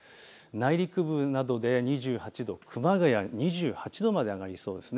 内陸部などで２８度、熊谷２８度まで上がりそうです。